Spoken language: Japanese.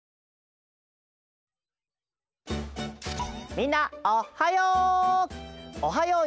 みんなおはよう！